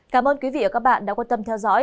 cảm ơn quý vị và các bạn đã quan tâm theo dõi